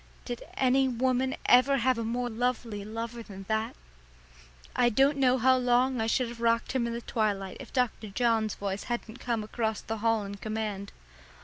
Did any woman ever have a more lovely lover than that? I don't know how long I should have rocked him in the twilight if Dr. John's voice hadn't come across the hall in command.